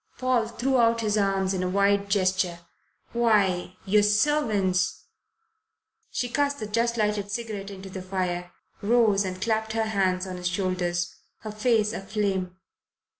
Paul threw out his arms in a wide gesture. "Why your servants " She cast the just lighted cigarette into the fire, rose and clapped her hands on his shoulders, her face aflame.